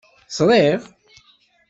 Ẓṛiɣ.